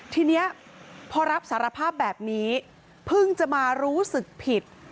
ทีนี้พอรับสารภาพแบบนี้เพิ่งจะมารู้สึกผิด